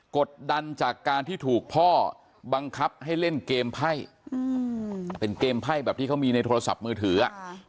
กดดันจากการที่ถูกพ่อบังคับให้เล่นเกมไพ่เป็นเกมไพ่แบบที่เขามีในโทรศัพท์มือถือ